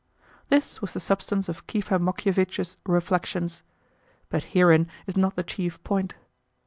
This was the substance of Kifa Mokievitch's reflections. But herein is not the chief point.